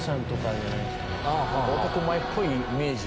男前っぽいイメージ。